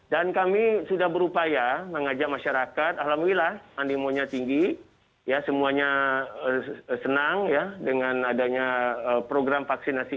dan kami sudah berupaya mengajak masyarakat alhamdulillah animonya tinggi semuanya senang dengan adanya program vaksinasi ini